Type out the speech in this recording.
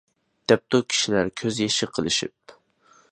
دەپتۇ كىشىلەر كۆز يېشى قىلىشىپ.